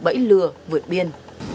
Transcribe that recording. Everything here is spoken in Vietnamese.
bẫy lừa vượt biên